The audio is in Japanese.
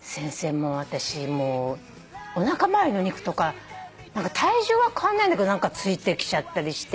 私おなか回りの肉とか体重は変わんないんだけどついてきちゃったりして。